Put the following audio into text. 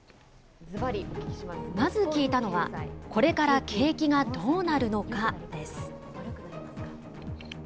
まず聞いたのは、これから景気がどうなるのかです。